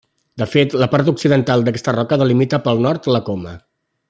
De fet, la part occidental d'aquesta roca delimita pel nord la Coma.